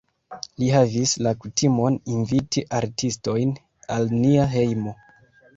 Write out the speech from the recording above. Li havis la kutimon inviti artistojn al nia hejmo.